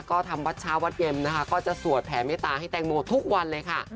ก็ทำวัดช้าวัดเก็มจะสวดแผนไม้ตาให้แตงโมทุกวันเลยค่ะ